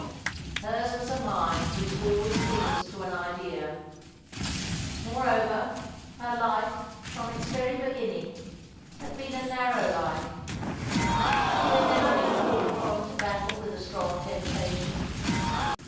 Hers was a mind which always clings to an idea. Moreover, her life, from its very beginning, had been a narrow life. She had never been called upon to battle with a strong temptation.